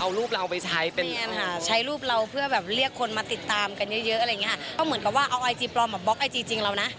อ๋อไอจีไอปลอมอะนะ